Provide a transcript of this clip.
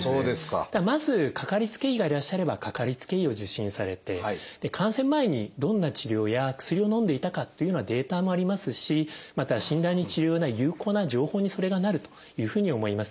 まずかかりつけ医がいらっしゃればかかりつけ医を受診されて感染前にどんな治療や薬をのんでいたかというようなデータもありますしまた診断や治療に有効な情報にそれがなるというふうに思います。